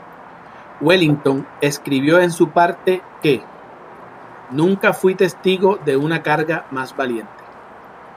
Wellington escribió en su parte que ""nunca fui testigo de una carga más valiente"".